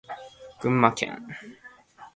群馬県邑楽町